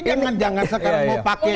jangan sekarang mau pakai